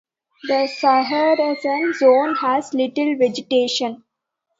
The Saharan Zone has little vegetation.